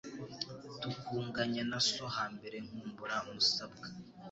Tukunganya na so Hambere nkumbura Musabwa